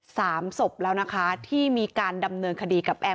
สามศพแล้วนะคะที่มีการดำเนินคดีกับแอม